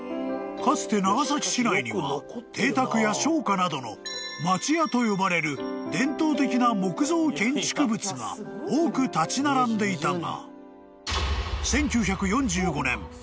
［かつて長崎市内には邸宅や商家などの町家と呼ばれる伝統的な木造建築物が多く立ち並んでいたが］